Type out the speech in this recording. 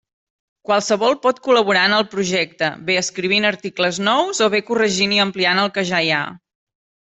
Qualsevol pot col·laborar en el projecte, bé escrivint articles nous, o bé corregint i ampliant els que ja hi ha.